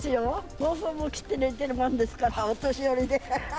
毛布も着て寝てるもんですから、お年寄りで。